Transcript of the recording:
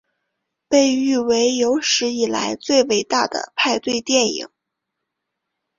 被誉为有史以来最伟大的派对电影。